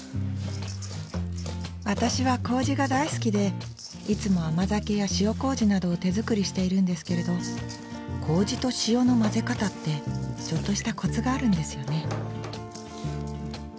私は麹が大好きでいつも甘酒や塩麹などを手作りしているんですけれど麹と塩の混ぜ方ってちょっとしたコツがあるんですよね